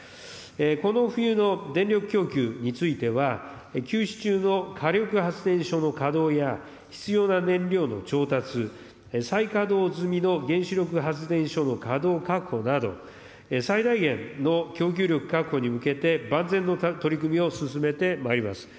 この冬の電力供給については、休止中の火力発電所の稼働や、必要な燃料の調達、再稼働済みの原子力発電所の稼働確保など、最大限の供給力確保に向けて、万全の取り組みを進めてまいります。